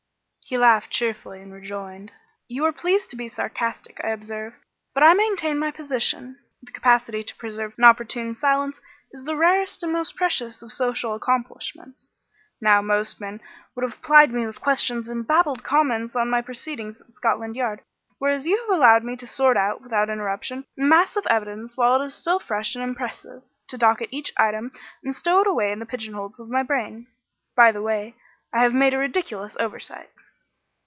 He laughed cheerfully and rejoined "You are pleased to be sarcastic, I observe; but I maintain my position. The capacity to preserve an opportune silence is the rarest and most precious of social accomplishments. Now, most men would have plied me with questions and babbled comments on my proceedings at Scotland Yard, whereas you have allowed me to sort out, without interruption, a mass of evidence while it is still fresh and impressive, to docket each item and stow it away in the pigeonholes of my brain. By the way, I have made a ridiculous oversight."